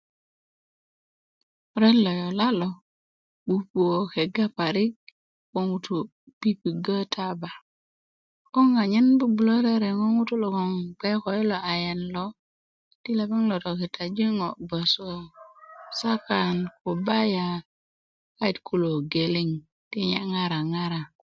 ret lo yola lo pupuö kega parik ko ŋutu pipigö taba 'boŋ anyen bubulö rereŋö ŋutu logon bge ko i lo ayan lo ti lepeŋ tokitaji ŋo bgoso sakan kubaya kayit kulo geleŋ ti nye ŋarŋara